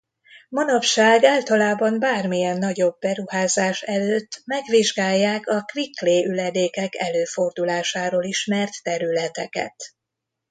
Manapság általában bármilyen nagyobb beruházás előtt megvizsgálják a quick clay üledékek előfordulásáról ismert területeket.